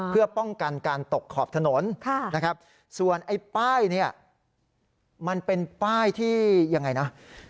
เพื่อป้องกันการตกขอบถนนนะครับส่วนไอ้ป้ายเนี่ยมันเป็นป้ายที่ยังไงนะ